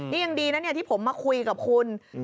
นี่ยังดีนะที่ผมมาคุยกับคุณ